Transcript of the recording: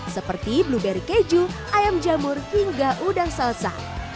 seperti blueberry keju ayam jamur hingga udang salsa